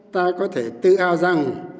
ta có thể tự ao rằng